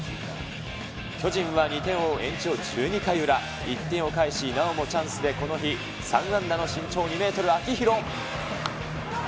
巨人は２点を追う延長１２回裏、１点を返し、なおもチャンスでこの日、３安打の身長２メートル、秋広。